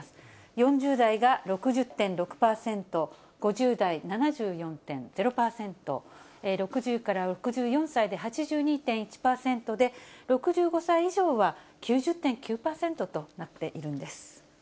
４０代が６０．６％、５０代、７４．０％、６０から６４歳で８２．１％で、６５歳以上は９０．９％となっているんです。